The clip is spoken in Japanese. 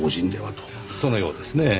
そのようですねぇ。